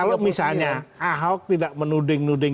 kalau misalnya ahok tidak menuding nuding